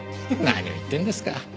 何を言ってんですか。